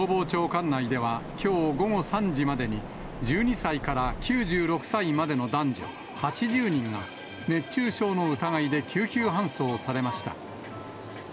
管内では、きょう午後３時までに１２歳から９６歳までの男女８０人が、熱中症の疑いで救急搬送されました。